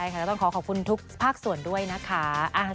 ก็ต้องขอขอบคุณทุกภาคส่วนด้วยนะคะ